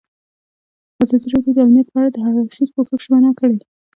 ازادي راډیو د امنیت په اړه د هر اړخیز پوښښ ژمنه کړې.